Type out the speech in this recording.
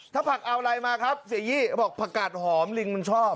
ถ้าผักเอาอะไรมาครับเสียยี่บอกผักกาดหอมลิงมันชอบ